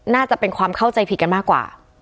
น่าจะเป็นความเข้าใจผิดกันมากกว่า